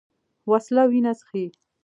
وسله وینه څښي